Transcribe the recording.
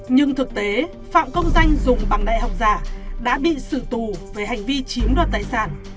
nhưng thực tế phạm công danh dùng bằng đại học giả đã bị xử tù về hành vi chiếm đoạt tài sản